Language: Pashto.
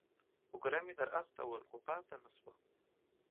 اوگره مې درلېږل ، خو پاته نسوه.